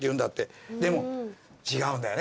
でも違うんだよね。